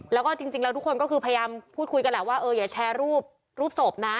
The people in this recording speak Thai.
แล้วก็จริงแล้วทุกคนก็คือพยายามพูดคุยกันแหละว่าเอออย่าแชร์รูปรูปศพนะ